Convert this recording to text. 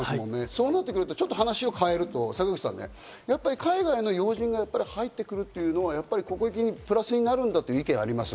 そうなると話を変えると坂口さん、海外の要人が入ってくるというのは、国益にプラスになるという意見があります。